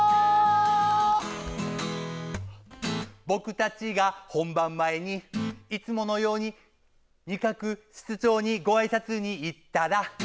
「僕たちが本番前にいつものように仁鶴室長に御挨拶に行ったら」